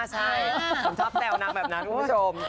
ใช่ผมชอบแซวนางแบบนั้นคุณผู้ชม